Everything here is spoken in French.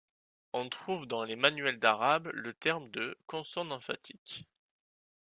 On trouve dans les manuels d'arabe le terme de consonne emphatique.